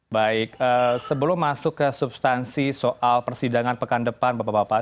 baik sebelum masuk ke substansi soal persidangan pekan depan bapak bapak